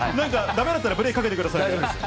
だめだったらブレーキかけてくださいね。